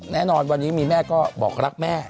แน่นอนวันนี้มีแม่ก็บอกรักแม่